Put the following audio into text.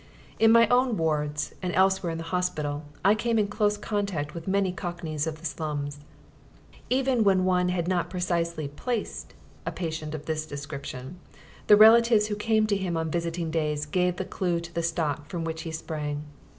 In my own wards, and elsewhere in the hospital, I came in close contact with many cockneys of the slums. Even when one had not precisely "placed" a patient of this description, the relatives who came to him on visiting days gave the clue to the stock from which he sprang.